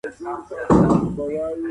ملکیت د انسان د شخصیت برخه ده.